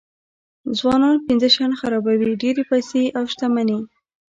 ځوانان پنځه شیان خرابوي ډېرې پیسې او شتمني.